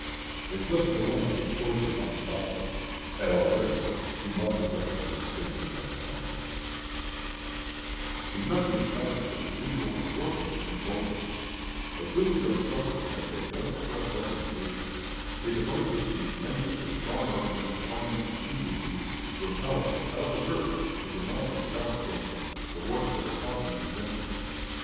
In such a dilemma his choice could not be doubtful. At all risk he must endeavor to sustain himself at home. Douglas, Senate Speech, December 9, 1857. "Globe," p. 18. He met the encounter with his usual adroitness and boldness. Assuming that the President had made no express recommendation, he devoted his speech mainly to a strong argument of party expediency, repelling without reserve and denouncing without stint the work of the Lecompton Convention.